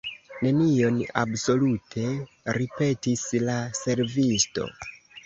"Nenion absolute!" ripetis la servisto.